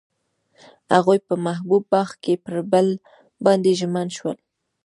هغوی په محبوب باغ کې پر بل باندې ژمن شول.